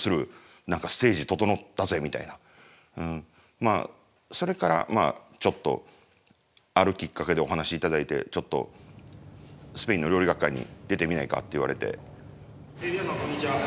まあそれからちょっとあるきっかけでお話頂いてちょっとスペインの料理学会に出てみないかって言われて。